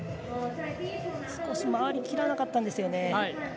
少し回り切らなかったんですよね。